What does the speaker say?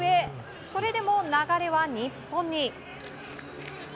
それでも流れは日本に。